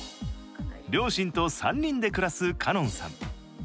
両親と３人で暮らす奏音さん。